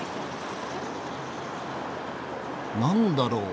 何だろう？